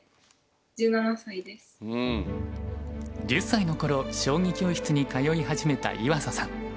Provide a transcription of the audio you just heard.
１０歳の頃将棋教室に通い始めた岩佐さん。